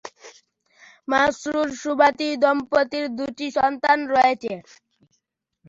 মাসরুর-সোভাতি দম্পতির দু’টি সন্তান রয়েছে।